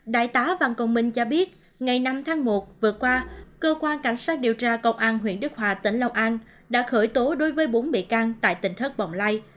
đại tá văn công minh cho biết ngày năm tháng một vừa qua cơ quan cảnh sát điều tra công an huyện đức hòa tỉnh long an đã khởi tố đối với bốn bị can tại tỉnh thất bồng lai